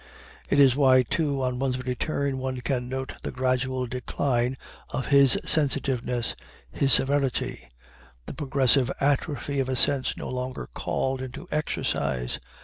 It is why, too, on one's return one can note the gradual decline of his sensitiveness, his severity the progressive atrophy of a sense no longer called into exercise.